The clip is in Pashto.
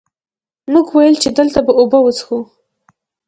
مونږ ويل چې دلته به اوبۀ وڅښو ـ